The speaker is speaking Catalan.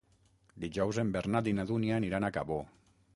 Dijous en Bernat i na Dúnia aniran a Cabó.